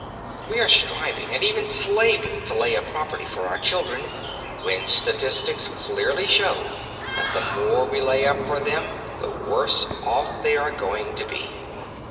We are striving and even slaving to lay up property for our children, when statistics clearly show that the more we lay up for them the worse off they are going to be.